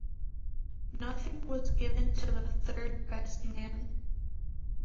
Nothing was given to the third best man.